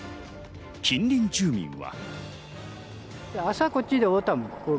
近隣住民は。